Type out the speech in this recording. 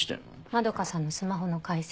円さんのスマホの解析。